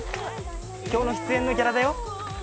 今日の出演のギャラだよ。